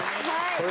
これ。